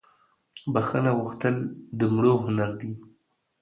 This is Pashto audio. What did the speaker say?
بخښنه غوښتل دمړو هنردي